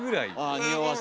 あにおわせ。